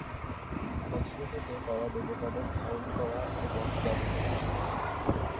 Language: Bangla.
ফলশ্রুতিতে তারা দেবতাদের ধারণ করা এবং জাদু করতে সক্ষম।